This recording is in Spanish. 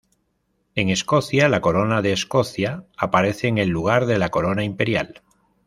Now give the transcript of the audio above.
En Escocia, la corona de Escocia aparece en el lugar de la corona imperial.